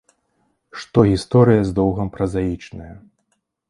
Што гісторыя з доўгам празаічная.